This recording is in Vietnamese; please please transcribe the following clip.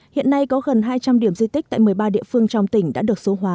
hiện nay có gần hai trăm linh điểm di tích tại một mươi ba địa phương trong tỉnh đã được số hóa